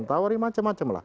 ditawari macam macam lah